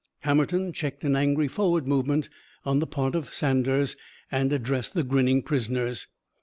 Hammerton checked an angry forward movement on the part of Saunders and addressed the grinning prisoners.